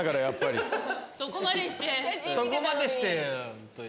そこまでして。